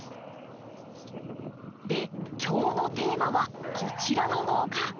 で今日のテーマはこちらの農家！